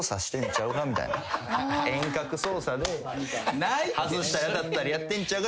遠隔操作で外したり当たったりやってんちゃうか。